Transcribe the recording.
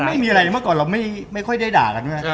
ไม่มีอะไรเมื่อก่อนเราไม่ค่อยได้ด่ากันด้วย